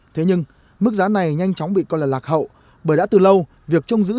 thế nhưng mức giá này nhanh chóng bị coi là lạc hậu bởi đã từ lâu